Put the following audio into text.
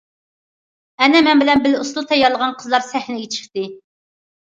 ئەنە، مەن بىللە ئۇسسۇل تەييارلىغان قىزلار سەھنىگە چىقتى.